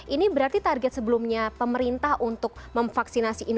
ini berarti target sebelumnya pemerintah untuk memvaksinasi ini